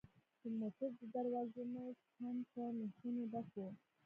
د موټر د دروازو منځ هم په مېخونو ډکوو.